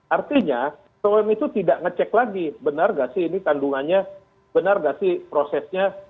artinya program itu tidak ngecek lagi benar nggak sih ini kandungannya benar nggak sih prosesnya